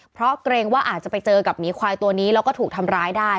เพราะเกรงว่าอาจจะไปเจอกับหมีควายตัวนี้แล้วก็ถูกทำร้ายได้